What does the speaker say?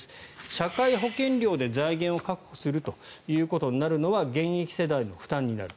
社会保険料で財源を確保するということになるのは現役世代の負担になる。